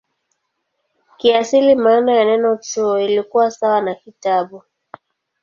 Kiasili maana ya neno "chuo" ilikuwa sawa na "kitabu".